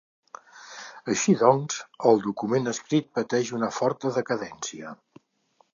Així doncs, el document escrit pateix una forta decadència.